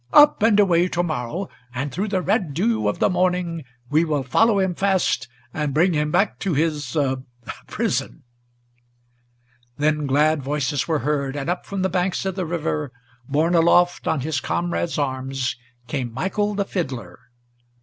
Up and away to morrow, and through the red dew of the morning We will follow him fast and bring him back to his prison." Then glad voices were heard, and up from the banks of the river, Borne aloft on his comrades' arms, came Michael the fiddler.